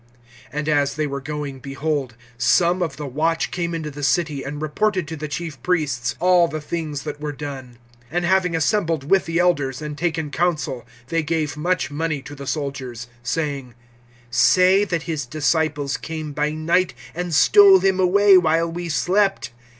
(11)And as they were going, behold, some of the watch came into the city, and reported to the chief priests all the things that were done. (12)And having assembled with the elders, and taken counsel, they gave much money to the soldiers, (13)saying: Say, that his disciples came by night, and stole him away while we slept.